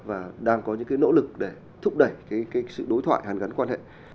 và đang có những cái nỗ lực để thúc đẩy sự đối thoại hàn gắn quan hệ